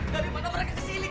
daripada mereka ke sini